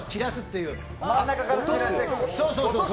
そうそうそう。